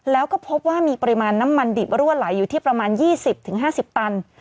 แล้วก็พบว่ามีปริมาณน้ำมันดิบรั่วไหลอยู่ที่ประมาณ๒๐๕๐ตัน